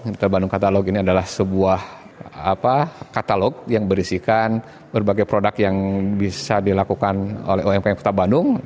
inter bandung katalog ini adalah sebuah katalog yang berisikan berbagai produk yang bisa dilakukan oleh umkm kota bandung